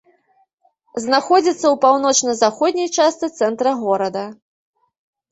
Знаходзіцца ў паўночна-заходняй частцы цэнтра горада.